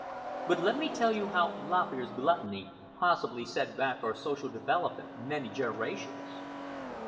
But let me tell you how Lop Ear's gluttony possibly set back our social development many generations.